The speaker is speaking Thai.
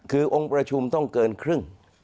คือองค์ประชุมต้องเกินครึ่ง